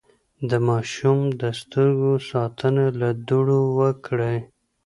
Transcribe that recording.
د ماشوم د سترګو ساتنه له دوړو وکړئ.